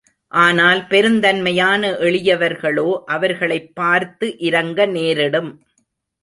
ஆனால் பெருந்தன்மையான எளியவர்களோ அவர்களைப் பார்த்து இரங்க நேரிடும்.